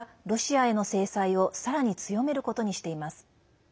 欧米はロシアへの制裁をさらに強めることにしています。